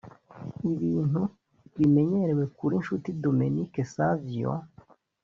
ibintu bimemyerewe kuri Nshuti Dominique Savio